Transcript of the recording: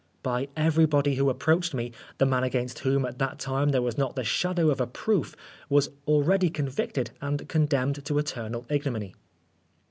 By everybody who approached me, the man against whom at that time there was not the shadow of a proof was already convicted and condemned to eternal ignominy.